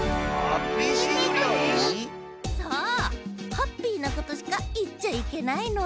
ハッピーなことしかいっちゃいけないの。